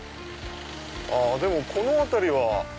でもこの辺りは。